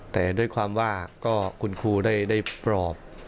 แต่ด้วยความว่าก็คุณครูได้ปลอบ